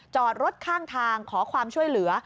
จอดรถข้างทางขอความช่วยเหลือ